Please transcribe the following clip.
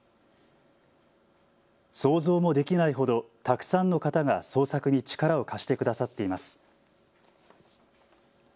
想像もできないほどたくさんの方が捜索に力を貸してくださっています。